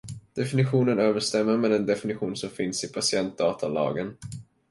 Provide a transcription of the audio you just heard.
Definitionen överensstämmer med den definition som finns i patientdatalagen.